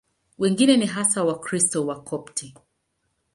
Wengine ni hasa Wakristo Wakopti.